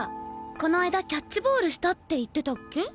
この間キャッチボールしたって言ってたっけ？